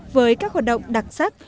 với các hoạt động đặc sắc